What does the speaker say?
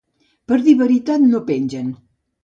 Per dir veritat no pengen.